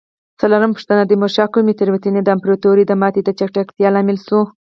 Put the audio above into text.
څلورمه پوښتنه: د تیمورشاه کومې تېروتنه د امپراتورۍ د ماتې د چټکتیا لامل شوې؟